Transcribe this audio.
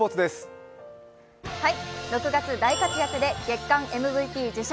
６月大活躍で月間ＭＶＰ受賞